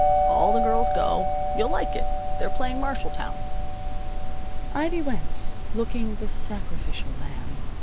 All the girls go. You'll like it. They're playing Marshalltown." Ivy went, looking the sacrificial lamb.